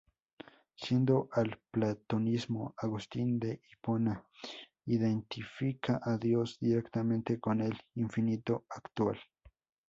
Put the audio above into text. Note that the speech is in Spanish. Siguiendo al platonismo, Agustín de Hipona identifica a Dios directamente con el infinito actual.